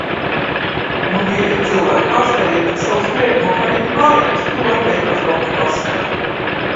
Nu mīļie cilvēki, ārstējiet tak savu skrejamo kaiti mājas, to ar beigās doki pasaka.